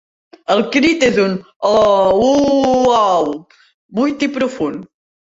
El crit és un "ooo-wooooo-ou" buit i profund.